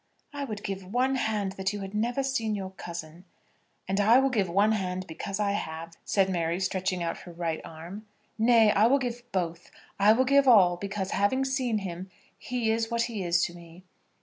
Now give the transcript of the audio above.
"I would give one hand that you had never seen your cousin." "And I will give one hand because I have," said Mary, stretching out her right arm. "Nay, I will give both; I will give all, because, having seen him, he is what he is to me.